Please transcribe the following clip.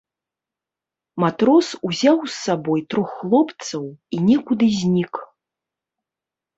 Матрос узяў з сабой трох хлопцаў і некуды знік.